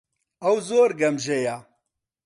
ئەو زۆر گەمژەیە.